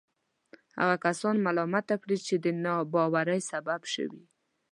هغه کسان ملامته کړي چې د ناباورۍ سبب شوي.